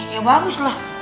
ya bagus lah